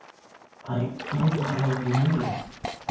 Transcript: " I don't know what you mean."